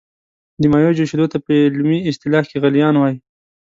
د مایع جوشیدو ته په علمي اصطلاح کې غلیان وايي.